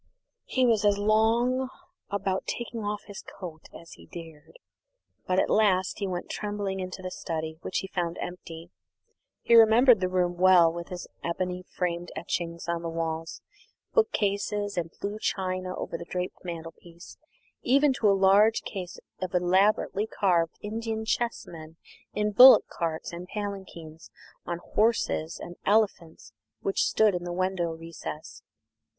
He was as long about taking off his coat as he dared, but at last he went trembling into the study, which he found empty. He remembered the room well, with its ebony framed etchings on the walls, bookcases and blue china over the draped mantelpiece, even to a large case of elaborately carved Indian chessmen in bullock carts and palanquins, on horses and elephants, which stood in the window recess.